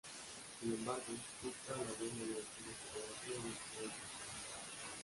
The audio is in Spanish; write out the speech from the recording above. Sin embargo, Gupta alabó la dirección de fotografía y el final inesperado.